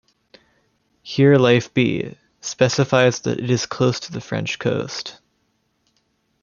Here Life B, specifies that it is close to the French coast.